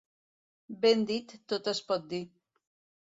Ben dit tot es pot dir.